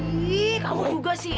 iii kamu juga sih